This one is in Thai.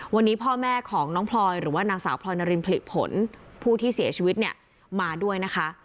วันนี้พ่อแม่ของน้องพลอยหรือว่านางสาวพลอยนารินผลิผลผู้ที่เสียชีวิตเนี่ยมาด้วยนะคะ